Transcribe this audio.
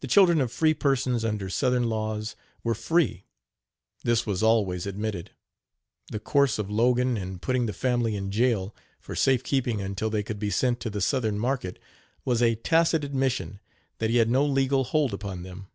The children of free persons under southern laws were free this was always admitted. The course of Logan in putting the family in jail, for safe keeping until they could be sent to the southern market, was a tacit admission that he had no legal hold upon them.